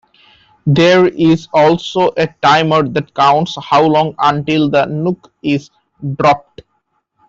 There is also a timer that counts how long until the nuke is dropped.